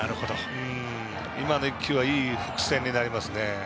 今の１球はいい伏線になりますね。